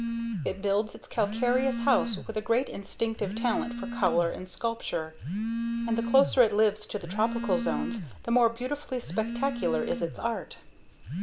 It builds its calcareous house with a great instinctive talent for color and sculpture. . .and the closer it lives to the tropical zones, the more beautifully spectacular is its art.